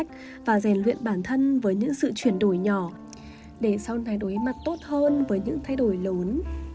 để sau này đối mặt tốt hơn với những thay đổi lớn